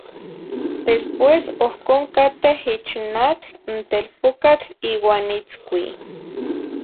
Después, ohcon cateh ich n atl n telpucatl iuah nitzcuih